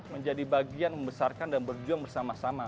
menjadi bagian membesarkan dan berjuang bersama sama